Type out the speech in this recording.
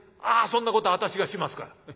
ああそんなことは私がしますから。